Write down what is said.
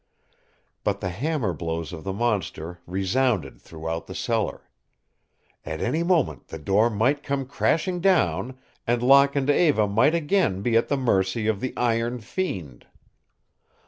But the hammer blows of the monster resounded throughout the cellar. At any moment the door might come crashing down and Locke and Eva might again be at the mercy of the iron fiend.